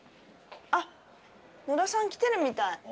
あっ野田さん来てるみたい。